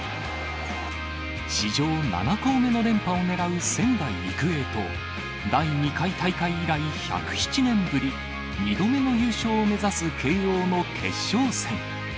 史上７校目の連覇を狙う仙台育英と、第２回大会以来１０７年ぶり、２度目の優勝を目指す慶応の決勝戦。